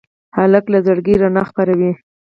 هلک له زړګي رڼا خپروي.